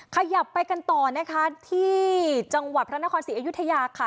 ขยับไปกันต่อนะคะที่จังหวัดพระนครศรีอยุธยาค่ะ